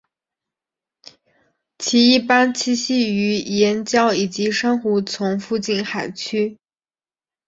其一般栖息于岩礁以及珊瑚丛附近海区。